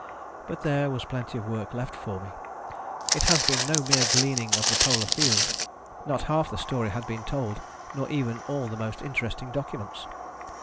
But there was plenty of work left for me. It has been no mere gleaning of the polar field. Not half the story had been told, nor even all the most interesting documents.